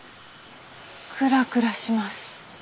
クラクラします。